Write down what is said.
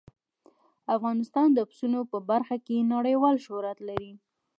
افغانستان د پسونو په برخه کې نړیوال شهرت لري.